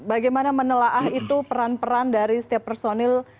bagaimana menelaah itu peran peran dari setiap personil